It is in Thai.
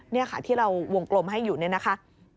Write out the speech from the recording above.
นี่ค่ะที่เราวงกลมให้อยู่เนี่ยนะคะ